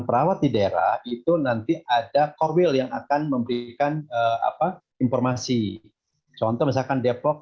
perawat di daerah itu nanti ada core will yang akan memberikan apa informasi contoh misalkan depok